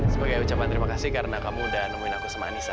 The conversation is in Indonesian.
sebagai ucapan terima kasih karena kamu udah nemuin aku semanisa